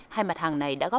hai mặt hàng này đã tăng tăng